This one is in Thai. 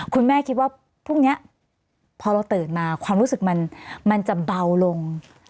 คุณแม่คิดว่าพรุ่งนี้พอเราตื่นมาความรู้สึกมันจะเบาลง